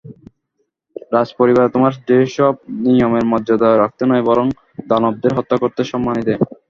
রাজপরিবার তোমায় সেসব নিয়মের মর্যাদা রাখতে নয়, বরং দানবদের হত্যা করতে সম্মানী দেয়।